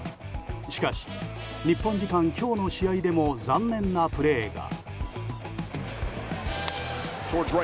しかし、日本時間今日の試合でも残念なプレーが。